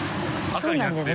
そうなんだよね